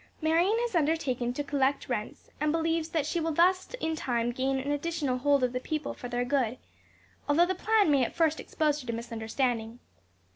Marion has undertaken to collect the rents, and believes that she will thus in time gain an additional hold of the people for their good, although the plan may at first expose her to misunderstanding.